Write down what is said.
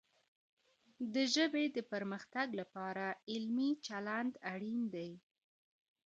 د ژبې د پرمختګ لپاره علمي چلند اړین دی.